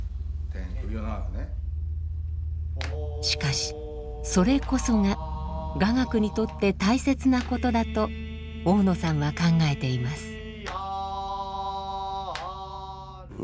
しかしそれこそが雅楽にとって大切なことだと多さんは考えています。